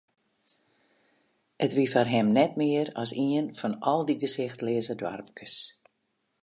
It wie foar him net mear as ien fan al dy gesichtleaze doarpkes.